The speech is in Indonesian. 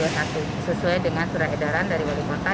awal dari dua ribu dua puluh satu sesuai dengan surah edaran dari wali kota